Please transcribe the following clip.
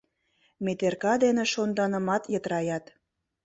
Метерка дене шонданымат йытыраят...